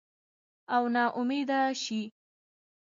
او نا امیده شي